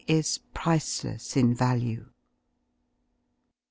is priceless in value.